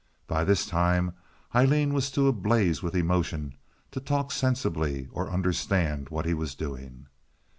By this time Aileen was too ablaze with emotion to talk sensibly or understand what he was doing.